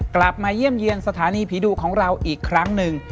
เยี่ยมเยี่ยมสถานีผีดุของเราอีกครั้งหนึ่ง